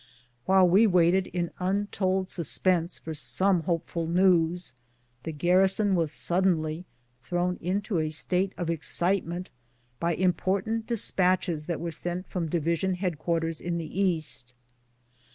While we waited in untold suspense for some hopeful news, the garrison was suddenly thrown into a state of excitement by important despatches that were sent from Division Headquarters in the East.